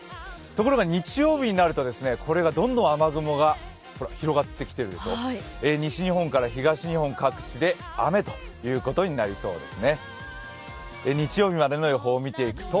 ところが日曜日になるとどんどん雨雲が広がって西日本から東日本各地で雨ということになりそうです。